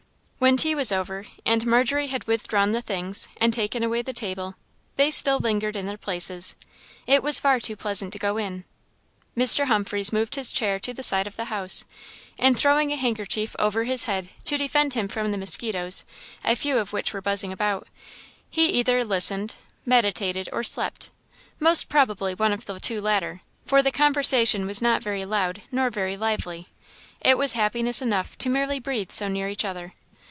When tea was over, and Margery had withdrawn the things, and taken away the table, they still lingered in their places. It was far too pleasant to go in. Mr. Humphreys moved his chair to the side of the house, and throwing a handkerchief over his head to defend him from the mosquitoes, a few of which were buzzing about, he either listened, meditated, or slept; most probably one of the two latter, for the conversation was not very loud nor very lively; it was happiness enough merely to breathe so near each other.